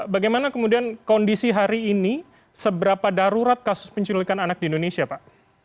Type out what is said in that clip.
bagaimana penjelajahan anak di indonesia pak